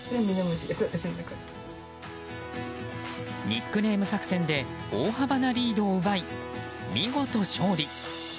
ニックネーム作戦で大幅なリードを奪い、見事勝利！